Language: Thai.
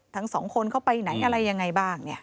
ทั้ง๒คนเขาไปไหนอะไรอย่างไรบ้าง